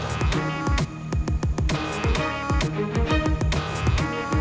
bukan karena dia udah gak mau